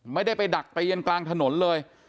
ไม่ได้ไปดักตีกันกลางถนนเลย